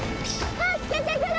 助けてくれ！